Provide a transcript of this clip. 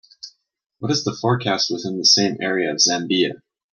what is the forecast within the same area of Zambia